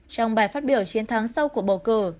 trong bài phát biểu chiến thắng sau cuộc bầu cử